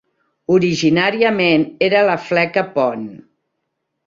Originàriament era la fleca Pont.